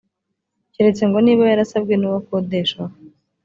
keretse ngo niba yarasabwe n’uwo akodeshaho